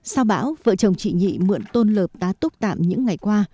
sau bão vợ chồng chị nhị mượn tôn lợp tá túc tạm những ngày qua